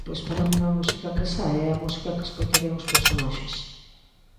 Pois para min a música que sae é a música que escoitarían os personaxes.